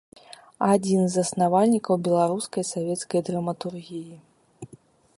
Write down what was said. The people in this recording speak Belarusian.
Адзін з заснавальнікаў беларускай савецкай драматургіі.